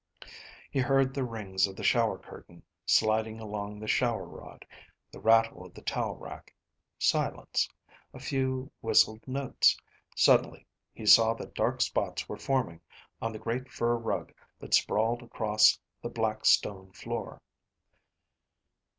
He heard the rings of the shower curtain sliding along the shower rod; the rattle of the towel rack; silence; a few whistled notes. Suddenly he saw that dark spots were forming on the great fur rug that sprawled across the black stone floor.